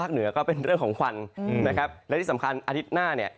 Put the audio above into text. เหนือก็เป็นเรื่องของควันนะครับและที่สำคัญอาทิตย์หน้าเนี่ย